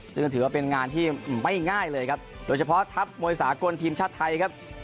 ซึ่งก็ถือว่าเป็นงานที่ไม่ง่ายเลยครับโดยเฉพาะทัพมวยสากลทีมชาติไทยครับ